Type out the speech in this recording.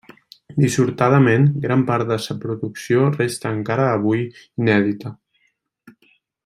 Dissortadament, gran part de sa producció resta encara avui inèdita.